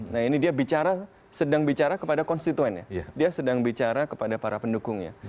nah ini dia bicara sedang bicara kepada konstituen ya dia sedang bicara kepada para pendukungnya